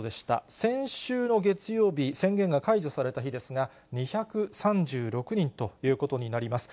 先週の月曜日、宣言が解除された日ですが、２３６人ということになります。